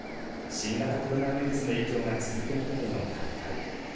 新型コロナウイルスの影響が続く中での大会。